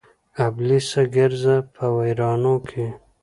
ابلیسه ګرځه په ویرانو کې